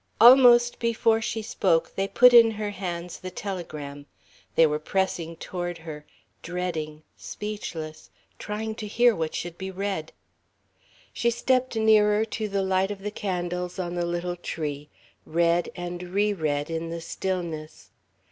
Almost before she spoke they put in her hands the telegram. They were pressing toward her, dreading, speechless, trying to hear what should be read. She stepped nearer to the light of the candles on the little tree, read, and reread in the stillness.